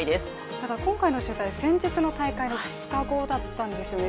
ただ今回の取材、先日の大会の２日後だったんですね。